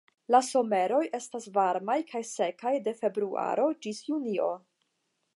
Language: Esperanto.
La someroj estas varmaj kaj sekaj de februaro ĝis junio.